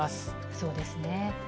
そうですね。